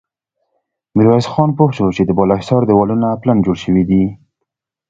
ميرويس خان پوه شو چې د بالا حصار دېوالونه پلن جوړ شوي دي.